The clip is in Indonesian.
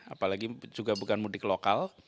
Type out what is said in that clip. apalagi juga bukan mudik lokal